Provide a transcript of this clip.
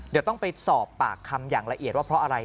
เดี๋ยวต้องไปสอบปากคำอย่างละเอียดว่าเพราะอะไร